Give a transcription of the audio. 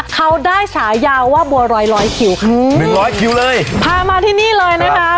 เขาได้ฉายาว่าบัวรอยร้อยร้อยคิวค่ะหนึ่งร้อยคิวเลยพามาที่นี่เลยนะคะ